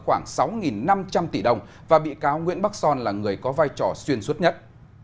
khoảng sáu năm trăm linh tỷ đồng và bị cáo nguyễn bắc son là người có vai trò xuyên suốt nhất